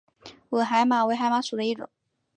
吻海马为海马属的一种。